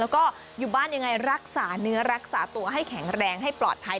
แล้วก็อยู่บ้านยังไงรักษาเนื้อรักษาตัวให้แข็งแรงให้ปลอดภัย